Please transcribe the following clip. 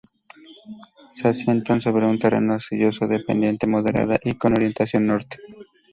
Se asientan sobre un terreno arcilloso de pendiente moderada y con orientación norte.